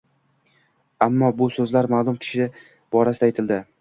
Ammo bu so’zlar ma’lum kishi borasida aytildi.